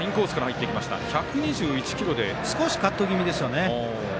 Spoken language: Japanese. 少しカット気味ですよね。